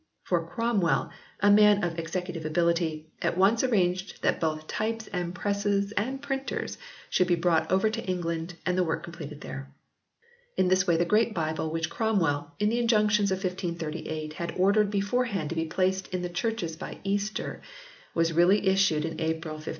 For Cromwell, a man of executive ability, at once arranged that both types and presses and printers should be brought over to England and the work completed there. In this way the Great Bible which Cromwell in the Injunctions of 1538 had ordered beforehand to be placed in the churches by Easter, was really issued in April 1539.